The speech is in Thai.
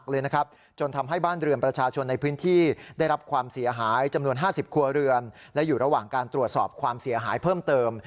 และอยู่ระหว่างการตรวจสอบความเสียหายเพิ่มเติม